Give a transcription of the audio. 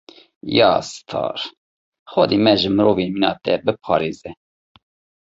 Ya star! Xwedê me ji mirovên mîna te biparêze.